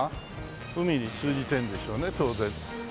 海に通じてるんでしょうね当然。